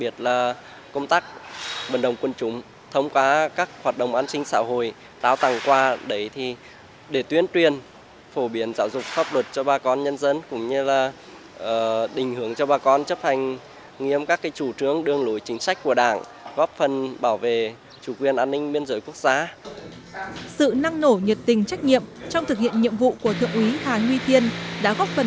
sự năng nổ nhiệt tình trách nhiệm trong thực hiện nhiệm vụ của thượng úy hà huy thiên đã góp phần